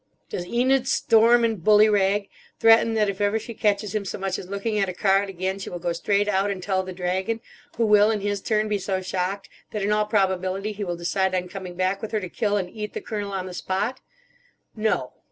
Does Enid storm and bullyrag; threaten that if ever she catches him so much as looking at a card again she will go straight out and tell the dragon, who will in his turn be so shocked that in all probability he will decide on coming back with her to kill and eat the Colonel on the spot? No.